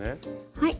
はい。